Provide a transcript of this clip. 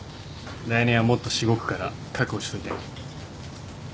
来年はもっとしごくから覚悟しといてね。